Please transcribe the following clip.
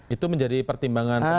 itu menjadi pertimbangan